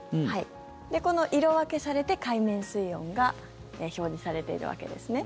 この色分けされて、海面水温が表示されているわけですね。